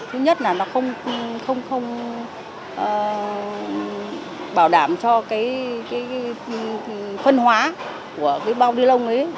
thứ nhất là nó không bảo đảm cho cái phân hóa của cái bao đi lông ấy